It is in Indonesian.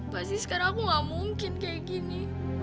pasti sekarang aku gak mungkin kayak gini